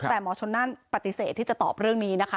แต่หมอชนนั่นปฏิเสธที่จะตอบเรื่องนี้นะคะ